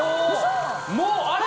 もうあれ！？